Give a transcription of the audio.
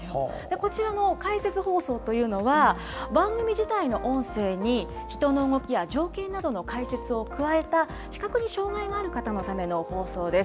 こちらの解説放送というのは、番組自体の音声に、人の動きや情景などの解説を加えた、視覚に障害がある方のための放送です。